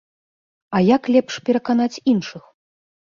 А як лепш пераканаць іншых?